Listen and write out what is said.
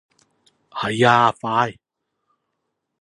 係啊，快！